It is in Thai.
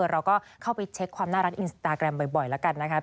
เราก็เข้าไปเช็คความน่ารักอินสตาแกรมบ่อยแล้วกันนะคะ